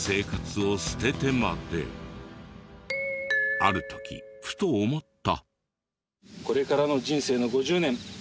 ある時ふと思った。